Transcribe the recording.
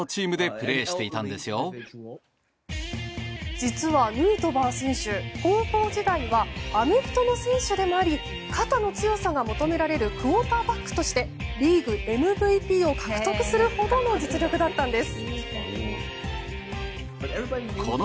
実はヌートバー選手高校時代はアメフトの選手でもあり肩の強さが求められるクオーターバックとしてリーグＭＶＰを獲得するほどの実力だったんです。